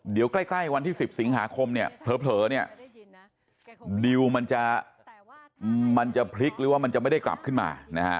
เดี๋ยวใกล้วันที่๑๐สิงหาคมเนี่ยเผลอเนี่ยดิวมันจะพลิกหรือว่ามันจะไม่ได้กลับขึ้นมานะฮะ